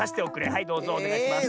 はいどうぞおねがいします。